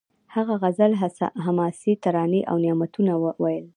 هغه غزل حماسي ترانې او نعتونه وویل